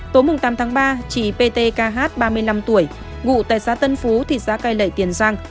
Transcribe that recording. tối tám ba chị pt kh ba mươi năm tuổi ngụ tại xã tân phú thị xã cai lệ tiền giang